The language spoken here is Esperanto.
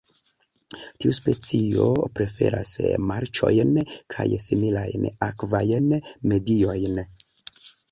Tiu specio preferas marĉojn kaj similajn akvajn mediojn.